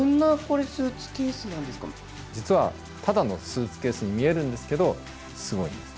実はただのスーツケースに見えるんですけどすごいんです。